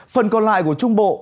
phần còn lại của trung bộ